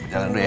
jalan dulu ya